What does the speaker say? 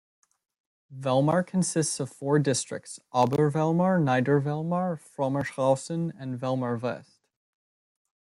Vellmar consists of four districts: Obervellmar, Niedervellmar, Frommershausen and Vellmar-West.